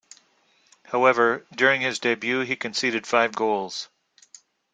However, during his debut he conceded five goals.